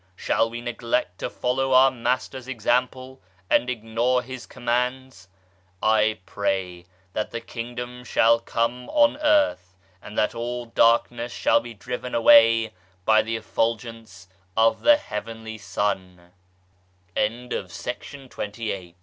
Shall we neglect to follow our Master's Example, and ignore His Com mands ? I pray that the Kingdom shall come on Earth, and that all darkness shall be driven away by the effulgence of